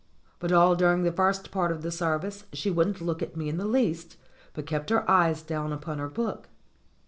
But all during the first part of the service she wouldn't look at me in the least, but kept her eyes down upon her book.